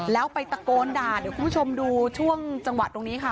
แล้วไปตะโกนด่าเดี๋ยวคุณผู้ชมดูช่วงจังหวะตรงนี้ค่ะ